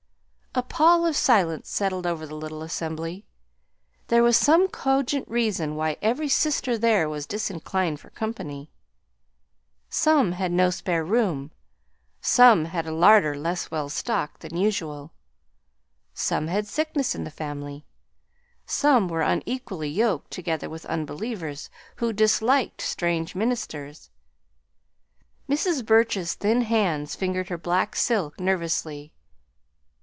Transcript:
A pall of silence settled over the little assembly. There was some cogent reason why every "sister" there was disinclined for company. Some had no spare room, some had a larder less well stocked than usual, some had sickness in the family, some were "unequally yoked together with unbelievers" who disliked strange ministers. Mrs. Burch's thin hands fingered her black silk nervously.